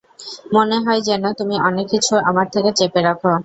মনে হয় যেন, তুমি অনেককিছু আমার থেকে চেপে রাখো।